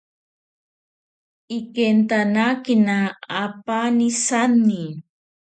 Ikentanakena apaani sani.